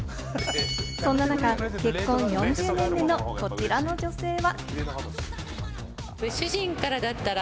そんな中、結婚４０年目のこちらの女性は。